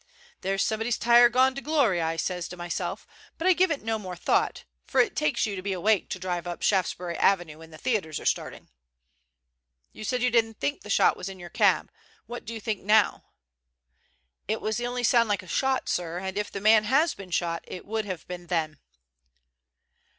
'There's somebody's tire gone to glory,' I sez to myself, but I give it no more thought, for it takes you to be awake to drive up Shaftesbury Avenue when the theaters are starting." "You said you didn't think the shot was in your cab; why do you think so now?" "It was the only sound like a shot, sir, and if the man has been shot, it would have been then."